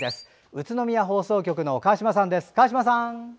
宇都宮放送局の川島さんです。